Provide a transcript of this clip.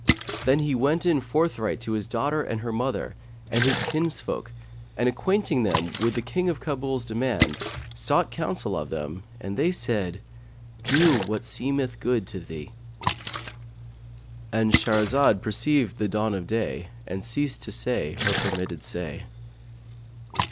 Then he went in forthright to his daughter and her mother and his kinsfolk, and acquainting them with the King of Kabul's demand sought counsel of them, and they said, 'Do what seemeth good to thee.'—And Shahrazad perceived the dawn of day and ceased to say her permitted say.